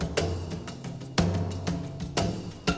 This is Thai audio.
วันนี้ฉันได้คิดว่าถ้าอยู่แล้วคุณจะรู้รักเหรอ